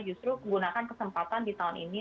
justru menggunakan kesempatan di tahun ini